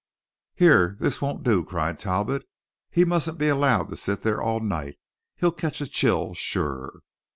"Here, this won't do!" cried Talbot. "He mustn't be allowed to sit there all night; he'll catch a chill sure.